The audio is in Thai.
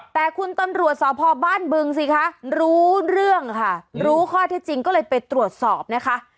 แต่คุณตำรวจสพบ้านบึงสิคะรู้เรื่องค่ะรู้ข้อเท็จจริงก็เลยไปตรวจสอบนะคะ